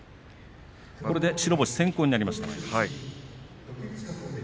これで白星先行になりました。